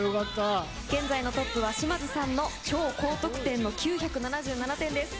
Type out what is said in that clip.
現在のトップは島津さんの超高得点の９７７点です。